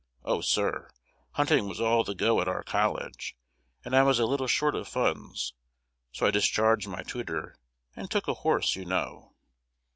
"Oh, sir, hunting was all the go at our college, and I was a little short of funds; so I discharged my tutor, and took a horse, you know."